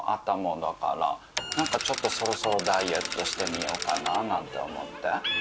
ちょっとそろそろダイエットしてみようかななんて思って。